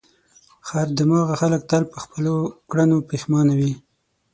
خر دماغه خلک تل پر خپلو کړنو پښېمانه وي.